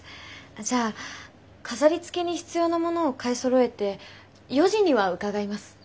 じゃあ飾りつけに必要なものを買いそろえて４時には伺います。